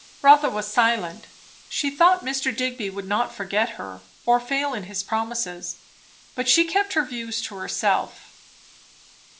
Rotha was silent. She thought Mr. Digby would not forget her, or fail in his promises; but she kept her views to herself.